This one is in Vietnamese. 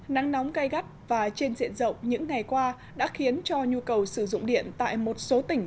nắng nóng gai gắt và trên diện rộng những ngày qua đã khiến cho nhu cầu sử dụng điện tại một số tỉnh